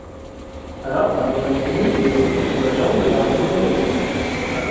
Раптам ён спыніў песню і пачаў узірацца ў бярэзнік.